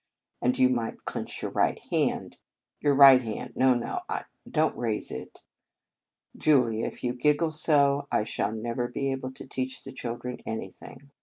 And you might clench your right hand. Your right hand. No, no, don t raise it. Julia, if you giggle so, I shall never be able to teach the children anything.